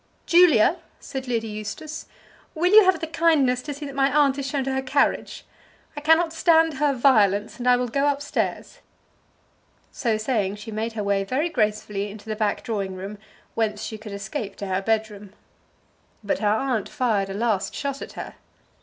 "Julia," said Lady Eustace, "will you have the kindness to see that my aunt is shown to her carriage. I cannot stand her violence, and I will go up stairs." So saying she made her way very gracefully into the back drawing room, whence she could escape to her bed room. But her aunt fired a last shot at her.